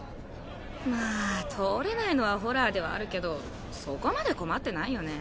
まあ通れないのはホラーではあるけどそこまで困ってないよね。